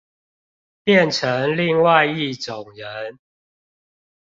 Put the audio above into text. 變成另外一種人